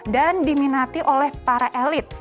dan diminati oleh para elit